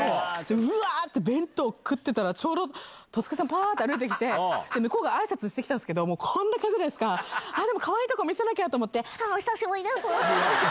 うわーって弁当食ってたら、ちょうど戸塚さん、ぱーっと歩いてきて、向こうがあいさつしてきたんですけど、もうこんな感じじゃないですか、でもかわいいとこ、見せなきゃと思って、お久しぶりですって。